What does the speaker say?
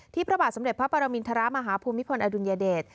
ที่ประบาดสำเร็จพระปรมินทรมาหาภูมิพลอดุลยเดช